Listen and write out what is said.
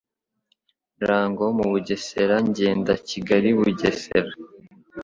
Rango mu Bugesera Ngenda Kigali Bugesera